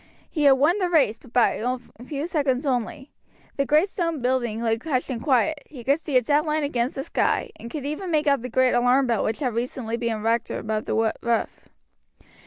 He had won the race, but by a few seconds only. The great stone built building lay hushed in quiet; he could see its outline against the sky, and could even make out the great alarm bell which had recently been erected above the roof.